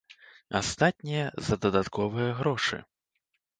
Астатняе за дадатковыя грошы.